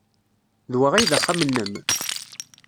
D wa ay d axxam-nnem?